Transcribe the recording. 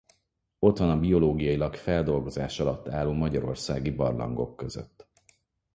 Ott van a biológiailag feldolgozás alatt álló magyarországi barlangok között.